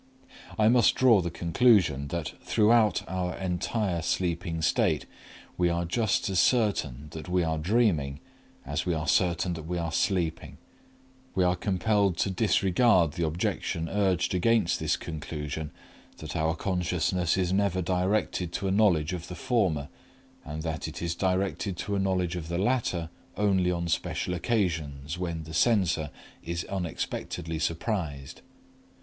I must draw the conclusion that throughout our entire sleeping state we are just as certain that we are dreaming as we are certain that we are sleeping. We are compelled to disregard the objection urged against this conclusion that our consciousness is never directed to a knowledge of the former, and that it is directed to a knowledge of the latter only on special occasions when the censor is unexpectedly surprised.